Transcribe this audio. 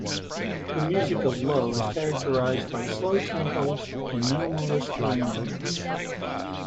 The music of Low is characterized by slow tempos and minimalist arrangements.